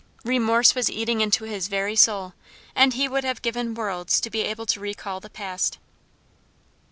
Remorse was eating into his very soul, and he would have given worlds to be able to recall the past.